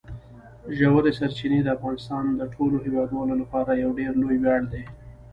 ژورې سرچینې د افغانستان د ټولو هیوادوالو لپاره یو ډېر لوی ویاړ دی.